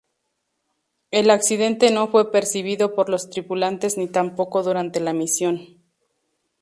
El accidente no fue percibido por los tripulantes ni tampoco durante la misión.